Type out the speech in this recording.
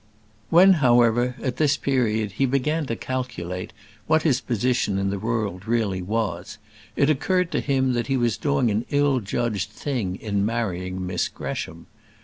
When, however, at this period he began to calculate what his position in the world really was, it occurred to him that he was doing an ill judged thing in marrying Miss Gresham.